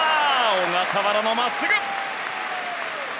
小笠原のまっすぐ！